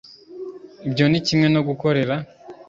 Ibyo ni kimwe no gukorera